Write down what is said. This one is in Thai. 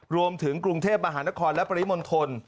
รวมถึงกรุงเทพมหานครและปริมณฑล